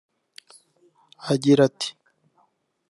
agira ati